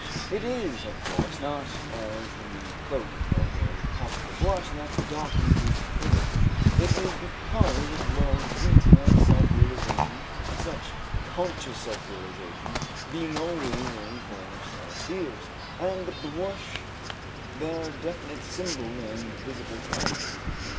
It is, of course, not as the mere cloak of a possible blush that darkness gives courage; it is because it lulls detailed self realization, such conscious self realization being always a source of fears, and the blush their definite symbol and visible climax.